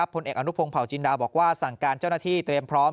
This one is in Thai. ผลเอกอนุพงศ์เผาจินดาบอกว่าสั่งการเจ้าหน้าที่เตรียมพร้อม